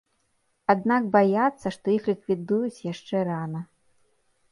Аднак баяцца, што іх ліквідуюць, яшчэ рана.